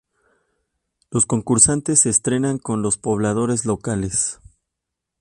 Los concursantes se entrenan con los pobladores locales.